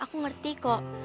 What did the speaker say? aku ngerti kok